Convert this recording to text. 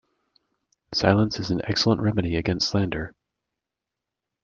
Silence is an excellent remedy against slander.